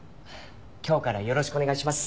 今日からよろしくお願いします